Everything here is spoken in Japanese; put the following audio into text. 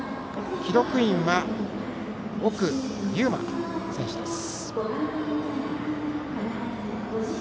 記録員は奥悠真選手です。